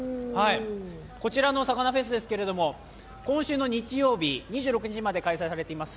こちらの魚フェスですけど、今週の日曜日、２６日まで開催されています